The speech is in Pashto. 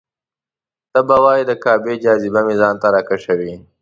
ته به وایې د کعبې جاذبه مې ځان ته راکشوي.